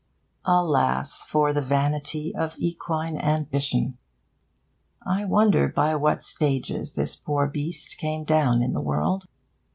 Alas for the vanity of equine ambition! I wonder by what stages this poor beast came down in the world.